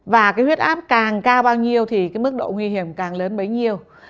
và cái huyết áp càng cao bao nhiêu thì cái mức độ nguy hiểm càng lớn bấy nhiêu